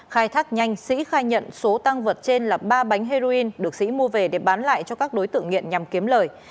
khai thác nhanh sĩ khai nhận số tăng vật trên là ba bánh heroin được sĩ mua về để bán lại cho các đối tượng nghiện nhằm kiếm lời